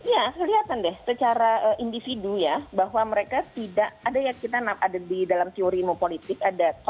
ya kelihatan deh secara individu ya bahwa mereka tidak ada yang kita ada di dalam teori mopolitik